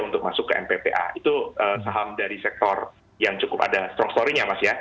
untuk masuk ke mppa itu saham dari sektor yang cukup ada strong story nya mas ya